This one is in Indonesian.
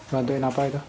bantuin apa itu